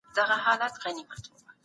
زور زیاتی مه کوئ.